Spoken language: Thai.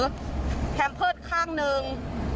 แคมเพิร์ตข้างหนึ่ง